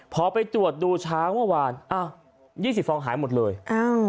พอไปตรวจดูช้างเมื่อวานอ้าวยี่สิบฟองหายหมดเลยอ้าว